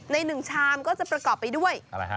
ใน๑ชามก็จะประกอบไปด้วย